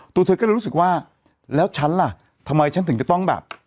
ตัวเธอก็เลยรู้สึกว่าแล้วฉันล่ะทำไมฉันถึงจะต้องแบบ